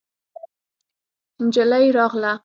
نجلۍ راغله.